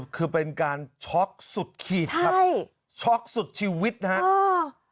คือเป็นการช็อคสุดขีดช็อคสุดชีวิตนะครับ